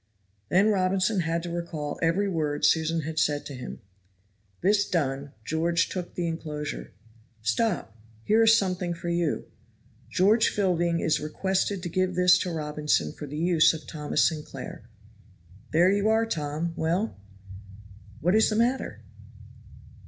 Then Robinson had to recall every word Susan had said to him; this done, George took the inclosure. "Stop, here is something for you: 'George Fielding is requested to give this to Robinson for the use of Thomas Sinclair.' There you are, Tom well! what is the matter?"